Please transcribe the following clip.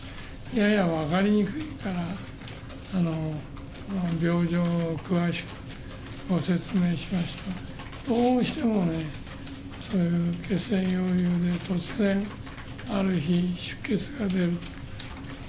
やや分かりにくいから、病状を詳しくご説明しましたが、どうしてもね、そういう血栓溶融、突然、ある日、出血が出ると。